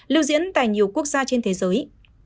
lưu diễn tại nhiều quốc gia trên thế giới